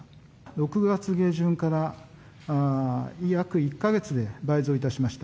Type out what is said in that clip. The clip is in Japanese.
６月下旬から約１か月で倍増いたしました。